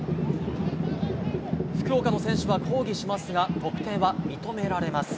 福岡の選手は抗議しますが、得点は認められます。